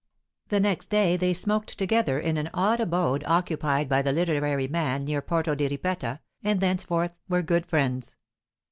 The next day they smoked together in an odd abode occupied by the literary man near Porto di Ripetta, and thenceforth were good friends.